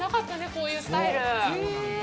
こういうスタイル。